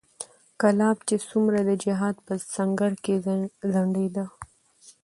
کلاب چې څومره د جهاد په سنګر کې ځنډېدی